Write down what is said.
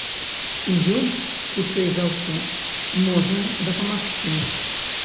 І ён, хутчэй за ўсё, можа дапамагчы.